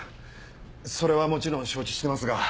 それはもちろん承知してますが。